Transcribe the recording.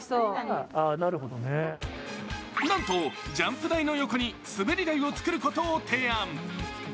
するとなんとジャンプ台の横に滑り台を作ることを提案。